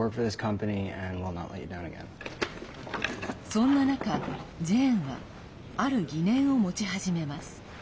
そんな中、ジェーンはある疑念を持ち始めます。